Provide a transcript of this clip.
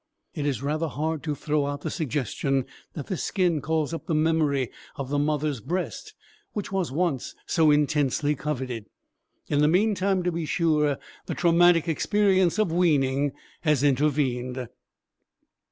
It is rather hard to throw out the suggestion that this skin calls up the memory of the mother's breast, which was once so intensely coveted. In the meantime, to be sure, the traumatic experience of weaning has intervened.